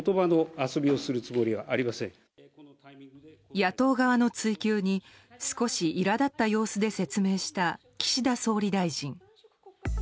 野党側の追及に少し、いらだった様子で説明した岸田総理大臣。